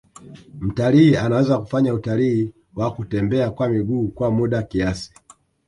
Mtalii anaweza kufanya utalii wa kutembea kwa miguu kwa muda kiasi